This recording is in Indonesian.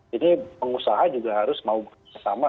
jadi pengusaha juga harus mau bersama